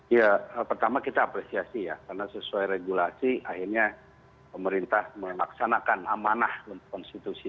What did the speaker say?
ya pertama kita apresiasi ya karena sesuai regulasi akhirnya pemerintah melaksanakan amanah konstitusi